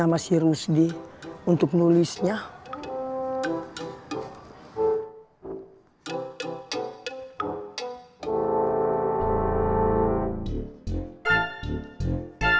apakah kita bisa tetap berjwhen kita equipo